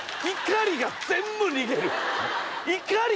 怒りが全部逃げるよ。